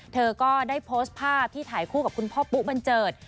เธอก็ได้โพสต์ภาพที่ถ่ายคู่กับคุณพ่อปุ๊บันเจิด